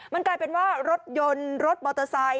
มันกลายเป็นว่ารถยนต์รถมอเตอร์ไซค